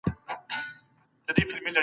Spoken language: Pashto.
عمر هم په خوب اغېز کوي.